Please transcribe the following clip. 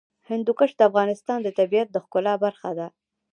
هندوکش د افغانستان د طبیعت د ښکلا برخه ده.